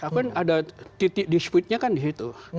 kan ada titik dispute nya kan di situ